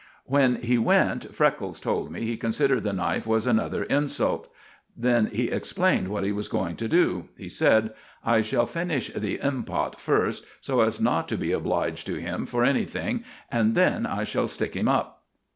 When he went, Freckles told me he considered the knife was another insult. Then he explained what he was going to do. He said: "I shall finish the impot first, so as not to be obliged to him for anything, and then I shall stick him up."